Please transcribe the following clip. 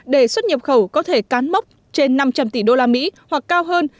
để xuất nhập khẩu có thể cán mốc trên năm trăm linh tỷ usd hoặc cao hơn